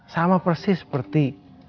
sama persis seperti